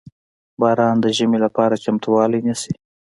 • باران د ژمي لپاره چمتووالی نیسي.